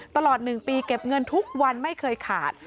ตลอด๑ปีเก็บเงินทุกวันไม่เคยขาด